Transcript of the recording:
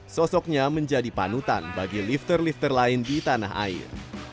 sosoknya menjadi panutan bagi lifter lifter lain di tanah air